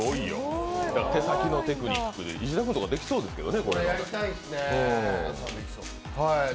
手先のテクニックで、石田君とかできそうですけどね。